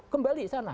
kembali ke sana